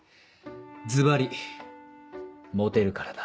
ずばりモテるからだ。